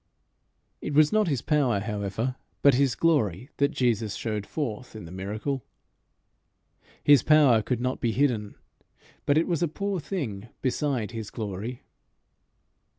It was not his power, however, but his glory, that Jesus showed forth in the miracle. His power could not be hidden, but it was a poor thing beside his glory.